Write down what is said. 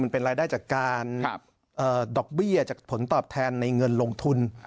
เป็นรายได้จากการดอกเบี้ยจากผลตอบแทนในเงินลงทุน